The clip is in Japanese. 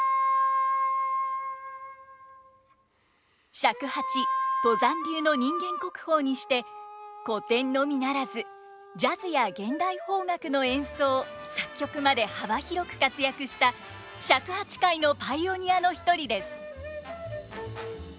尺八都山流の人間国宝にして古典のみならずジャズや現代邦楽の演奏作曲まで幅広く活躍した尺八界のパイオニアの一人です。